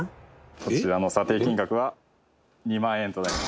「こちらの査定金額は２万円となります」